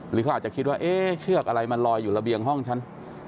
หรือเขาอาจจะคิดว่าเอ๊ะเชือกอะไรมันลอยอยู่ระเบียงห้องฉัน